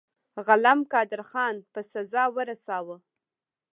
غلم قادرخان په سزا ورساوه.